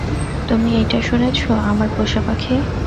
তুমি এইটা শুনেছ, আমার পোষা পাখি?